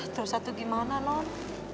terus itu gimana non